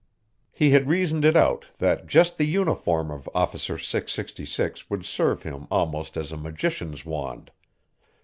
He had reasoned it out that just the uniform of Officer 666 would serve him almost as a magician's wand.